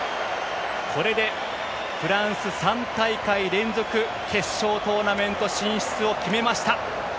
これでフランスは３大会連続の決勝トーナメント進出を決めました。